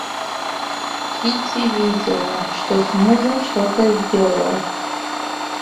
Кити видела, что с мужем что-то сделалось.